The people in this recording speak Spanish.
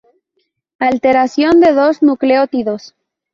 Alteración de dos nucleótidos.